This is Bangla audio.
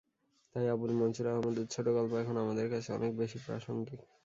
তাই আবুল মনসুর আহমদের ছোটগল্প এখন আমাদের কাছে অনেক বেশি প্রাসঙ্গিক।